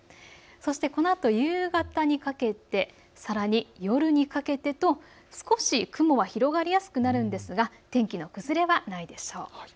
このあと夕方にかけて、さらに夜にかけてと少し雲が広がりやすくなるのですが天気の崩れはないでしょう。